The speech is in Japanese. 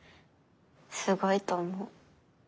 すごいと思う。